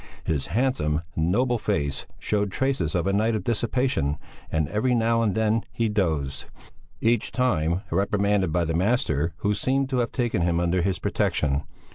His handsome, noble face showed traces of a night of dissipation, and every now and then he dozed, each time reprimanded by the master who seemed to have taken him under his protection.